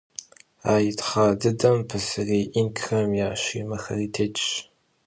А итхъа дыдэм пасэрей инкхэм я Щимэхэри тетщ.